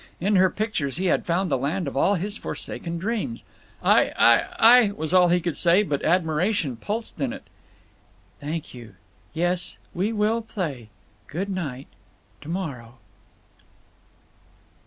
In her pictures he had found the land of all his forsaken dreams. "I—I—I—" was all he could say, but admiration pulsed in it. "Thank you…. Yes, we will play. Good night. To morrow!"